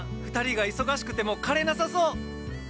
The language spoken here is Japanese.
２人が忙しくても枯れなさそう！